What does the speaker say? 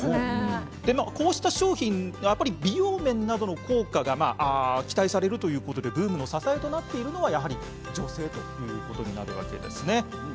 こうした商品、美容面などの効果が期待されるということでブームの支えになっているのは女性なんですね。